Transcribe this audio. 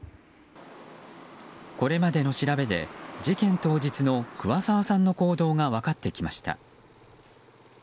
これまでの調べで事件当日の桑沢さんの行動が分かってきました。